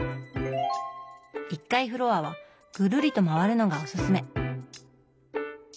１階フロアはぐるりと回るのがおすすめ。